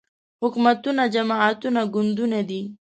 حکومتونه جماعتونه ګوندونه دي